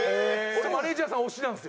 俺マネージャーさん推しなんですよ。